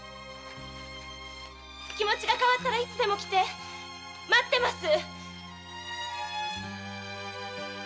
気持ちが変わったらいつでも来て待ってます。